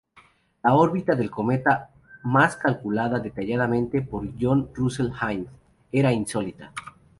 La órbita del cometa, más tarde calculada detalladamente por John Russell Hind, era insólita.